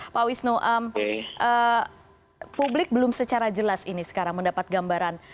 pak wisnu publik belum secara jelas ini sekarang mendapat gambaran